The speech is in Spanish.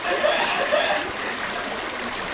Condado de Thomas